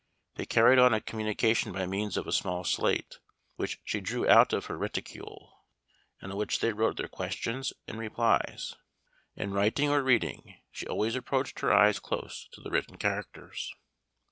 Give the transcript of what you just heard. They carried on a communication by means of a small slate, which she drew out of her reticule, and on which they wrote their questions and replies. In writing or reading she always approached her eyes close to the written characters.